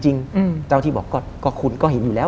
เจ้าที่บอกก็คุณก็เห็นอยู่แล้ว